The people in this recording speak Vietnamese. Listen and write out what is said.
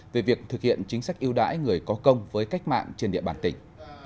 về việc thực hiện chính sách yêu đãi người có công với cách mạng trên địa bàn tỉnh